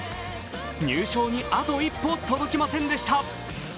入賞にあと一歩届きませんでした。